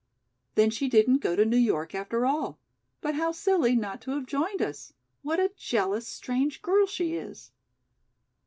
"Then she didn't go to New York, after all! But how silly not to have joined us. What a jealous, strange girl she is!"